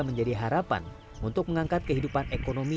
menjadi harapan untuk mengangkat kehidupan ekonomi